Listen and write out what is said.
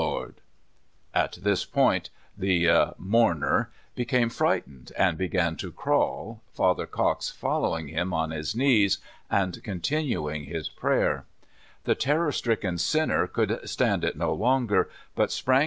Lord "—■ At this point the " mourner " became frightened, and began to crawl. Father Cox following him on his knees, and continuing his prayer. The terror stricken sinner could stand it no longer, but sp7 ang 84 Father Cox.